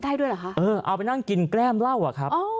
ได้ด้วยเหรอครับเออเอาไปนั่งกินแกล้มเหล้าครับ